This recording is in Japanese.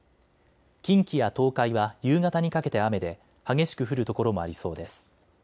近畿や東海は夕方にかけて雨で激しく降る所もありそうです。